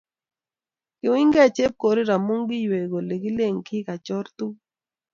kiunygei chepkorir amu kinywei kole kilen kigachoor tuguk